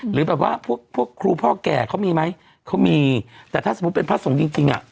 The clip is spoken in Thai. หรือแบบว่าพวกพวกครูพ่อแก่เขามีไหมเขามีแต่ถ้าสมมุติเป็นพระสงฆ์จริงจริงอ่ะ